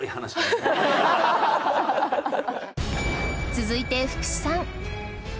続いて福士さん